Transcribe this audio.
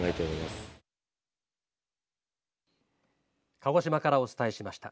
鹿児島からお伝えしました。